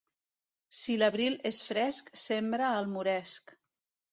Si l'abril és fresc, sembra el moresc.